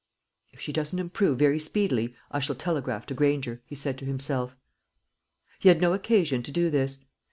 "If she doesn't improve very speedily, I shall telegraph to Granger," he said to himself. He had no occasion to do this.